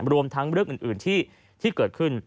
รวมทั้งเรื่องอื่นที่เกิดขึ้น